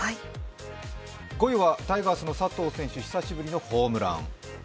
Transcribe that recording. ５位はタイガースの佐藤輝明選手、久しぶりのホームラン。